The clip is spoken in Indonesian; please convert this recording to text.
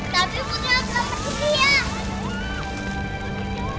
tapi putri aku tak peduli ya